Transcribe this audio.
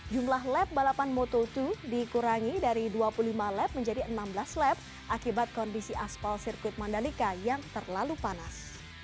jumlah lab balapan moto dua dikurangi dari dua puluh lima lap menjadi enam belas lab akibat kondisi aspal sirkuit mandalika yang terlalu panas